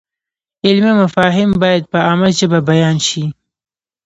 علمي مفاهیم باید په عامه ژبه بیان شي.